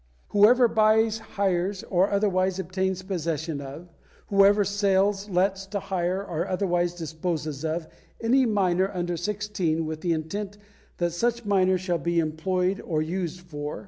"Whoever buys hires or otherwise obtains possession of, whoever sells lets to hire or otherwise disposes of any minor under sixteen with the intent that such minor shall be employed or used for